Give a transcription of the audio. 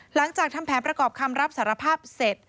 หลังจากทำแผนประกอบคำรับสารภาพเสร็จ